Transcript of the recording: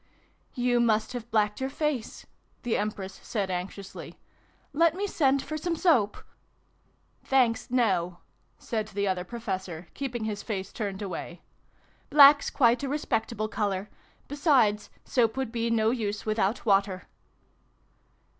" You must have blacked your face !" the Empress said anxiously. " Let me send for some soap ?"" Thanks, no," said the Other Professor, keeping his face turned away. " Black's quite a respectable colour. Besides, soap would be no use without water."